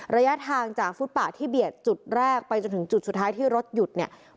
ระยะทางจากฟุตปะที่เบียดจุดแรกไปจนถึงจุดสุดท้ายที่รถหยุดเนี่ย